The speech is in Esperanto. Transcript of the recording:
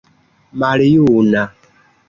maljuna